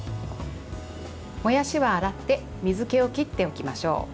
もやしは洗って水けを切っておきましょう。